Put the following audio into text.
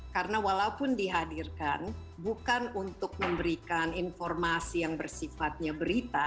karena walaupun dihadirkan bukan untuk memberikan informasi yang bersifatnya berita